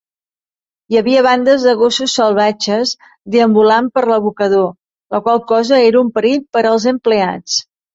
Hi havia bandes de gossos salvatges deambulant per l'abocador, la qual cosa era un perill per als empleats.